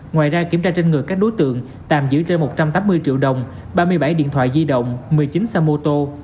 ngoài ra kiểm tra trên người các đối tượng tạm giữ trên một trăm tám mươi triệu đồng ba mươi bảy điện thoại di động một mươi chín xe mô tô